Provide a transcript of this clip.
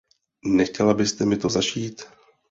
Nechtěla byste mi to zašít?